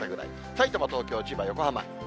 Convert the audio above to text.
さいたま、東京、千葉、横浜。